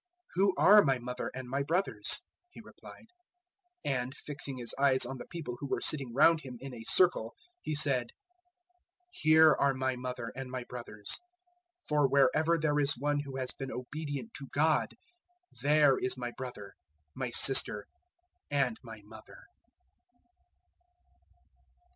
003:033 "Who are my mother and my brothers?" He replied. 003:034 And, fixing His eyes on the people who were sitting round Him in a circle, He said, 003:035 "Here are my mother and my brothers. For wherever there is one who has been obedient to God, there is my brother my sister and my mother."